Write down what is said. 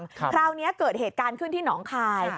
คราวนี้เกิดเหตุการณ์ขึ้นที่หนองคาย